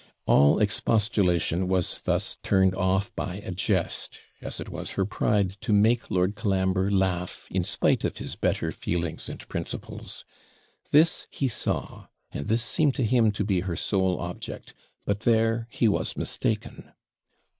All expostulation was thus turned off by a jest, as it was her pride to make Lord Colambre laugh in spite of his better feelings and principles. This he saw, and this seemed to him to be her sole object; but there he was mistaken.